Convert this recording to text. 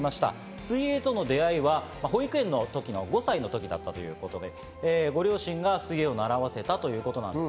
水泳との出会いは保育園の時、５歳の時だったということで、ご両親が水泳を習わせたということです。